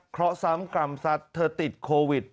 เพราะซ้ำกรรมสัตว์เธอติดโควิด